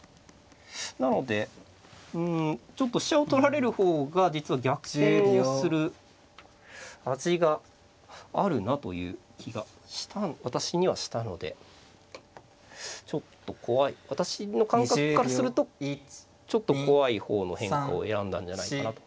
なのでうんちょっと飛車を取られる方が実は逆転をする味があるなという気が私にはしたのでちょっと怖い私の感覚からするとちょっと怖い方の変化を選んだんじゃないかなと。